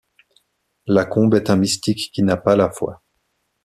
Lacombe est un mystique qui n'a pas la foi.